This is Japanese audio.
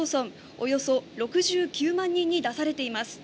およそ６９万人に出されています。